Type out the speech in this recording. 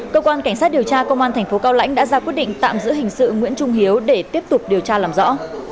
cơ quan cảnh sát điều tra công an thành phố cao lãnh đã ra quyết định tạm giữ hình sự nguyễn trung hiếu để tiếp tục điều tra làm rõ